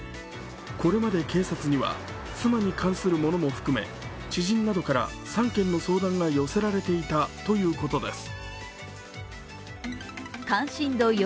これまで警察には妻に関するものも含め知人などから３件の相談が寄せられていたということです。